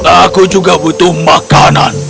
aku juga butuh makanan